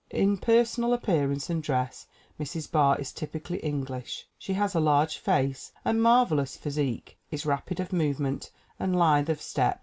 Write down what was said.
In personal appearance and dress Mrs. Barr is typically English. She has a large face and marvel ous physique, is rapid of movement and lithe of step.